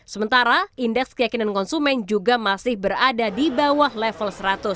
sementara indeks keyakinan konsumen juga masih berada di bawah level seratus